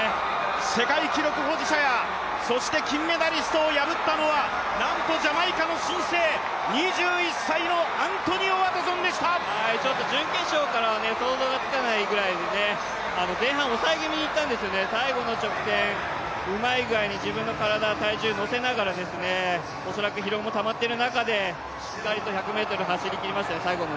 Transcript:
世界記録保持者やそして金メダリストを破ったのはなんとジャマイカの新星、２１歳のアントニオ・ワトソンでした準決勝からは想像がつかないぐらいで前半抑え気味にいったんですよね、最後の直線、うまい具合に自分の体、体重乗せながら恐らく疲労もたまっている中で、しっかりと最後の１００ｍ走りきりましたね。